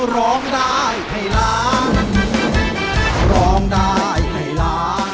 ร้องได้หากล้าน